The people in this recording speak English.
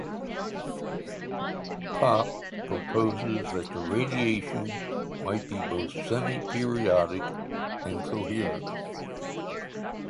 Popp proposed that the radiation might be both semi-periodic and coherent.